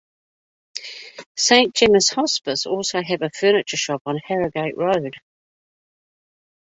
Saint Gemmas Hospice also have a furniture shop on Harrogate Road.